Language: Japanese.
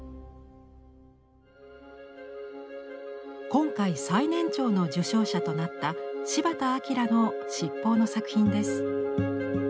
今回最年長の受賞者となった柴田明の七宝の作品です。